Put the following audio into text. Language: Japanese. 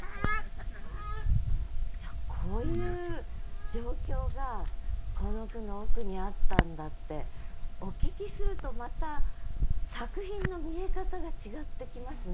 いやこういう状況がこの句の奥にあったんだってお聞きするとまた作品の見え方が違ってきますね。